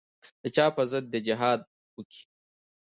د چا پر ضد دې جهاد وکي.